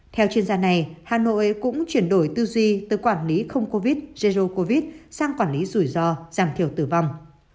theo chuyên gia này hà nội cũng chuyển đổi tư duy từ quản lý không covid zero covid sang quản lý rủi ro giảm thiểu tử vong